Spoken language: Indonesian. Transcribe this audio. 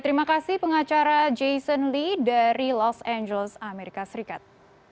terima kasih pengacara jason lee dari los angeles amerika serikat